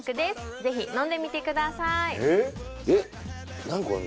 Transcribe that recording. ぜひ飲んでみてくださいえっ？